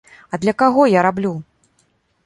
А для каго я раблю?